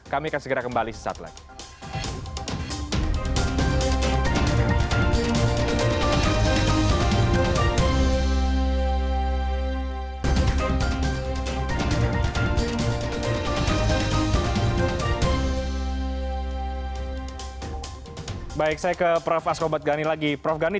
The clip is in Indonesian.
kami akan segera kembali sesaat lagi